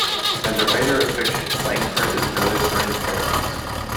As a writer of fiction, Langford is noted for his parodies.